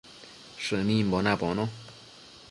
Shënimbo nabono